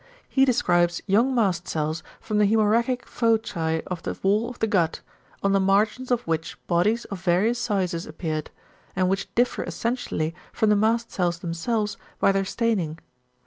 He describes young mast cells from the hæmorrhagic foci of the wall of the gut, on the margins of which bodies of various sizes appeared, and which differ essentially from the mast cells themselves by their staining.